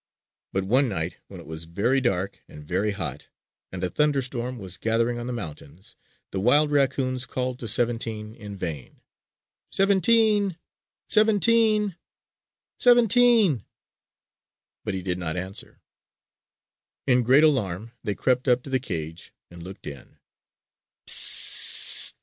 But one night, when it was very dark and very hot and a thunderstorm was gathering on the mountains, the wild raccoons called to "Seventeen" in vain. "Seventeen! Seventeen! Seventeen!" But he did not answer. In great alarm they crept up to the cage and looked in.